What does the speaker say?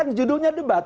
kan judulnya debat